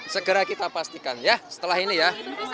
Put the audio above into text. segera kita pastikan ya setelah ini ya